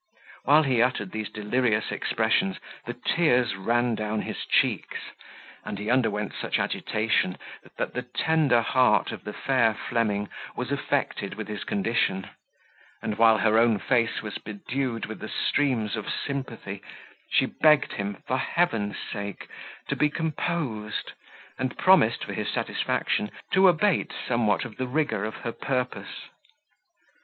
While he uttered these delirious expressions, the tears ran down his cheeks; and he underwent such agitation that the tender heart of the fair Fleming was affected with his condition: and, while her own face was bedewed with the streams of sympathy, she begged him, for Heaven's sake, to be composed; and promised, for his satisfaction, to abate somewhat of the rigour of her purpose.